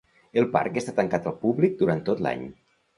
El parc està tancat al públic durant tot l'any.